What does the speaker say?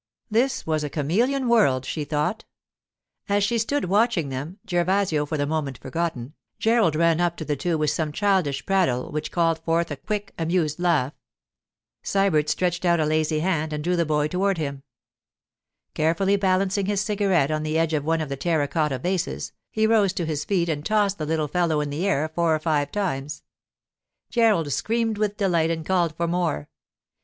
This was a chameleon world, she thought. As she stood watching them, Gervasio for the moment forgotten, Gerald ran up to the two with some childish prattle which called forth a quick, amused laugh. Sybert stretched out a lazy hand and drew the boy toward him. Carefully balancing his cigarette on the edge of one of the terra cotta vases, he rose to his feet and tossed the little fellow in the air four or five times. Gerald screamed with delight and called for more.